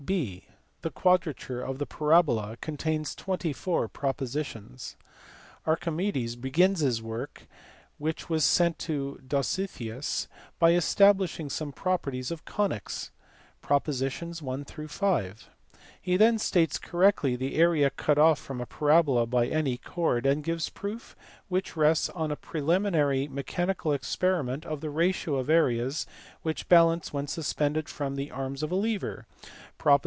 (6) The Quadrature of the Parabola contains twenty four propositions. Archimedes begins this work, which was sent to Dositheus, by establishing some properties of conies (props. 1 5). He then states correctly the area cut off from a para bola by any chord, and gives a proof which rests on a pre liminary mechanical experiment of the ratio of areas which balance when suspended from the arms of a lever (props.